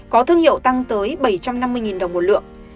có thương hiệu tăng tới bảy trăm năm mươi đồng một lượng